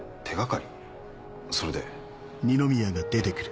それで。